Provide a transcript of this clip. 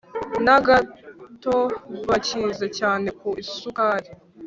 na gato bikize cyane ku isukari